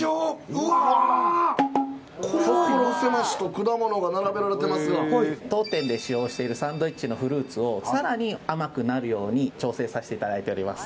うわっ並べられてますが当店で使用しているサンドイッチのフルーツをさらに甘くなるように調整させていただいております